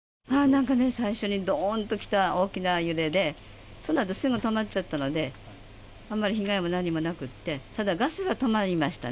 なんか最初ね、どんと大きな音が来た、揺れでそのあとすぐ止まっちゃったのであんまり被害も何もなくてただガスが止まりました。